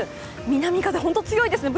南風、本当に強いですね。